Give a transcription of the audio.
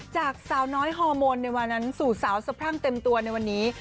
จากสาวน้อยฮอร์โมนในวันนั้นสู่สาวสะพรั่งเต็มตัวในวันนี้